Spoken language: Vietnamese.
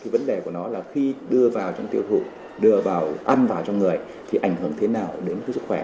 vấn đề của nó là khi đưa vào trong tiêu thụ đưa vào ăn vào cho người thì ảnh hưởng thế nào đến sức khỏe